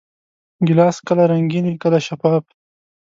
ګیلاس کله رنګین وي، کله شفاف.